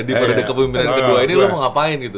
di periode kepemimpinan kedua ini lo mau ngapain gitu